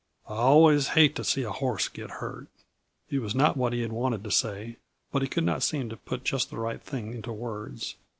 "I always hate to see a horse get hurt." It was not what he had wanted to say, but he could not seem to put just the right thing into words.